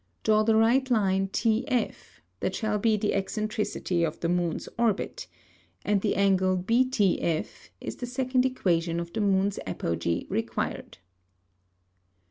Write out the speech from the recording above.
Draw the Right Line TF, that shall be the Eccentricity of the Moon's Orbit; and the Angle BTF, is the second Equation of the Moon's Apogee required.